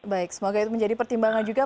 baik semoga itu menjadi pertimbangan juga